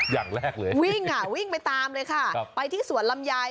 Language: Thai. อย่างแรกเลยวิ่งอ่ะวิ่งไปตามเลยค่ะไปที่สวนลำไย